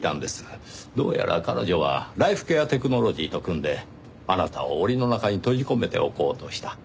どうやら彼女はライフケアテクノロジーと組んであなたを檻の中に閉じ込めておこうとした。